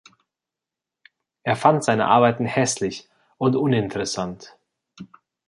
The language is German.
Er fand seine Arbeiten „hässlich und uninteressant“.